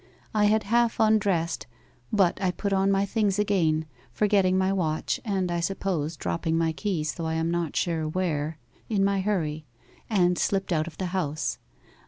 I had half undressed, but I put on my things again, forgetting my watch (and I suppose dropping my keys, though I am not sure where) in my hurry, and slipped out of the house.